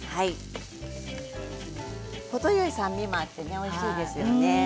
程よい酸味もあっておいしいですよね。